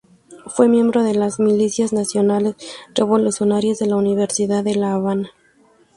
Fue miembro de las Milicias Nacionales Revolucionarias de la Universidad de La Habana.